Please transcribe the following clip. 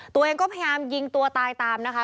ตัวเองก็พยายามยิงตัวตายตามนะคะ